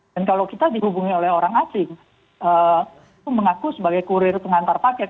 dan kalau kita dihubungi oleh orang asing itu mengaku sebagai kurir pengantar paket